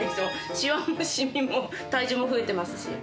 しわもしみも体重も増えてますし。